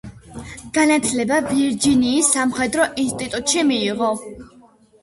განათლება ვირჯინიის სამხედრო ინსტიტუტში მიიღო.